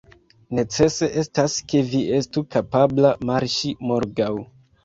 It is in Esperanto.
Necese estas, ke vi estu kapabla marŝi morgaŭ.